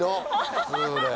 普通で。